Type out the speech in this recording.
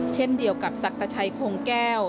เช่นเดียวกับศักชัยโครงแก้ว